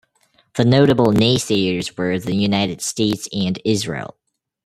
The notable naysayers were the United States and Israel.